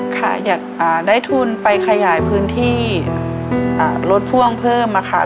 ค่ะอยากได้ทุนไปขยายพื้นที่รถพ่วงเพิ่มค่ะ